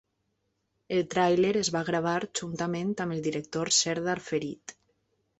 El tràiler es va gravar juntament amb el director Serdar Ferit.